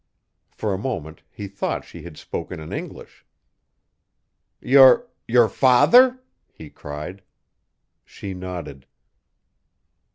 For a moment he thought she had spoken in English. "Your your father?" he cried. She nodded.